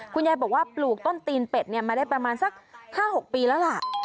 คุณยายบอกว่าปลูกต้นตีนเป็ดมาได้ประมาณสัก๕๖ปีแล้วล่ะ